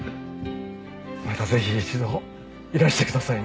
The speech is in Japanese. またぜひ一度いらしてくださいね。